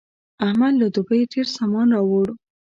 احمد له دوبۍ ډېر سامان راوړ.